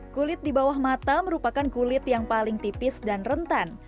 kulit di bawah mata merupakan kulit yang paling tipis dan rentan